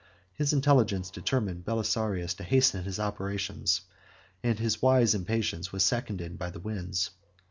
His intelligence determined Belisarius to hasten his operations, and his wise impatience was seconded by the winds.